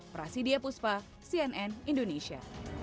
prasidia puspa cnn indonesia